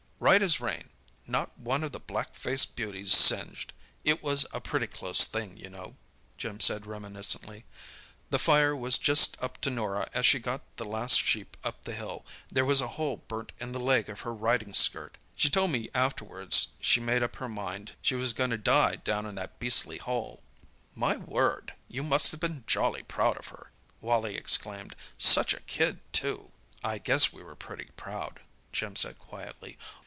"Right as rain; not one of the black faced beauties singed. It was a pretty close thing, you know," Jim said reminiscently. "The fire was just up to Norah as she got the last sheep up the hill; there was a hole burnt in the leg of her riding skirt. She told me afterwards she made up her mind she was going to die down in that beastly hole." "My word, you must have been jolly proud of her!" Wally exclaimed. "Such a kid, too!" "I guess we were pretty proud," Jim said quietly.